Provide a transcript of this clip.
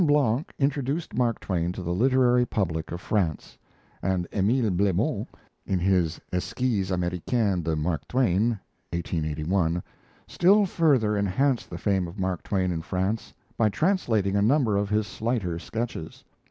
Blanc introduced Mark Twain to the literary public of France; and Emile Blemont, in his 'Esquisses Americaines de Mark Twain' (1881), still further enhanced the fame of Mark Twain in France by translating a number of his slighter sketches.